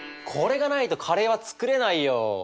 これがないとカレーは作れないよ。